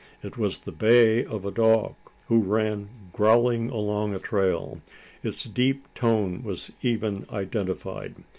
It was the bay of a dog, who ran "growling" along a trail! Its deep tone was even identified.